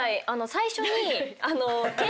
最初に。